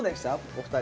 お二人。